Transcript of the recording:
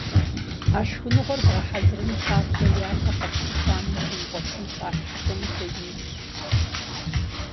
А шхыныгъуэр бгъэхьэзырын папщӀэ япэ къэс тыкуэным щумыгъуэтын хэлъхьэхэм ухуеинущ.